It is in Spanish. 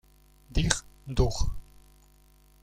Dig Dug.